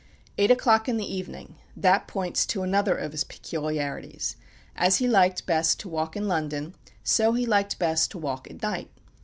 "Eight o'clock in the evening," that points to another of his peculiarities. As he liked best to walk in London, so he liked best to walk at night.